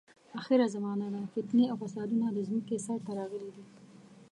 اخره زمانه ده، فتنې او فسادونه د ځمکې سر ته راغلي دي.